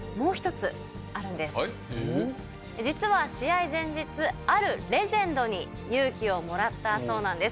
実は試合前日あるレジェンドに勇気をもらったそうなんです。